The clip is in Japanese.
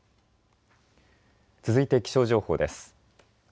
続いて気象情報です。